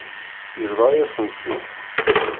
Yebḍa-yasent-t-id.